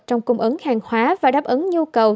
trong cung ứng hàng hóa và đáp ứng nhu cầu